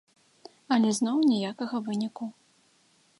Але зноў ніякага выніку.